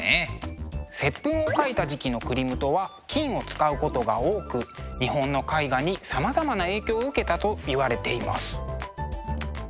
「接吻」を描いた時期のクリムトは金を使うことが多く日本の絵画にさまざまな影響を受けたといわれています。